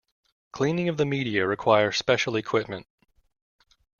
Cleaning of the media requires special equipment.